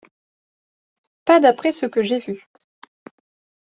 Pas d'après ce que j'ai vu.